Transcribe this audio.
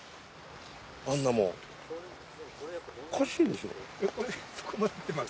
んなもんおかしいでしょ。